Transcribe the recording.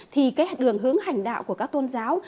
thì đường hướng hành đạo của các tôn giáo